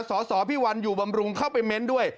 สสพี่วันอยู่บำรุงเข้าไปเม้นด้วย